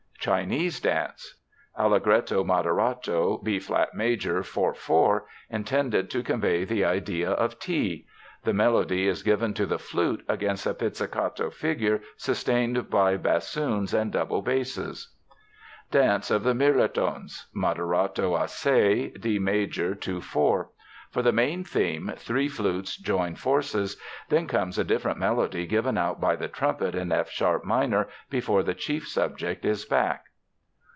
Chinese Dance (Allegretto moderato, B flat major, 4 4). Intended to convey the idea of "Tea." The melody is given to the flute against a pizzicato figure sustained by bassoons and double basses. Dance of the Mirlitons (Moderato assai, D major, 2 4). For the main theme three flutes join forces. Then comes a different melody given out by the trumpets in F sharp minor before the chief subject is back.